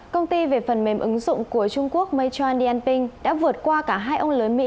công ty về phần mềm ứng dụng của trung quốc matran dinping đã vượt qua cả hai ông lớn mỹ